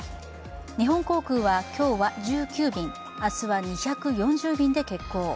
日本航空は今日は１９便、明日は２４０便で欠航。